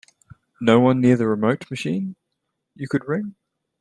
No one near the remote machine you could ring?